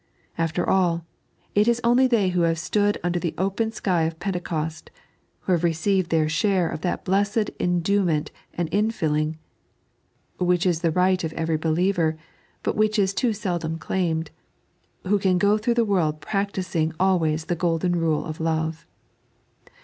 " After all, it is only they who have stood under the open sky of Pentecost, who have received their share of that blessed enduement and infilling, which is the right of every believer — but which is too seldom claimed — who can go through the world practising always the golden rule of love.